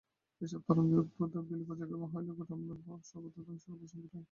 এইসব তরঙ্গের উদ্ভব ও বিলয় পর্যায়ক্রমে হইলেও গঠনমূলক ভাব সর্বদা ধ্বংসের অবসান ঘটায়।